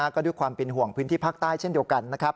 ก็ด้วยความเป็นห่วงพื้นที่ภาคใต้เช่นเดียวกันนะครับ